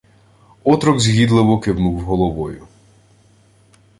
Отрок згідливо кивнув головою.